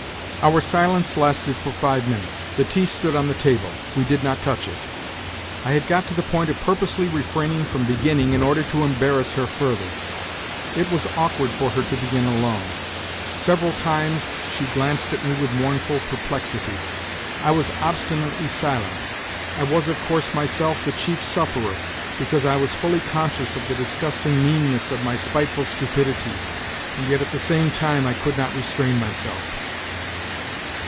Our silence lasted for five minutes. The tea stood on the table ; we did not touch it. I had got to the point of purposely refraining from beginning in order to embarrass her further; it was awkward for her to begin alone. Several times she glanced at me with mournful perplexity. I was obstinately silent. I was, of course, myself the chief sufferer, because I was fully conscious of the disgusting meanness of my spiteful stupidity, and yet at the same time I could not restrain myself.